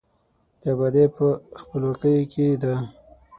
د آبادي په، خپلواکۍ کې ده.